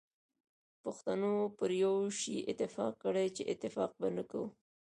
پښتنو پر یو شی اتفاق کړی چي اتفاق به نه کوو.